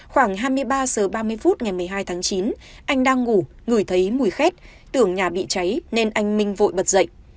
khoảng hai mươi ba h ba mươi phút ngày một mươi hai tháng chín anh đang ngủ ngửi thấy mùi khét tưởng nhà bị cháy nên anh minh vội bật dậy